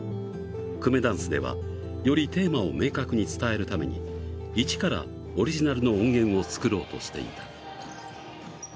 くめだんすではよりテーマを明確に伝えるために一からオリジナルの音源を作ろうとしていた。